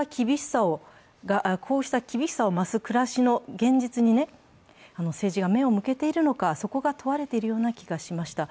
こうした厳しさを増す暮らしの現実に政治が目を向けているのか、そこが問われているような気がしました。